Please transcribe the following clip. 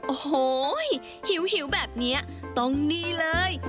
โอ้โหหิวแบบนี้ต้องนี่เลย